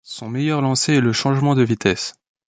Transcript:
Son meilleur lancer est le changement de vitesse.